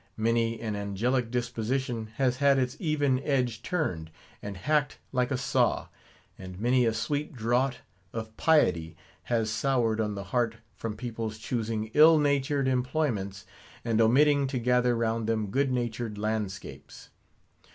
Many an angelic disposition has had its even edge turned, and hacked like a saw; and many a sweet draught of piety has soured on the heart from people's choosing ill natured employments, and omitting to gather round them good natured landscapes.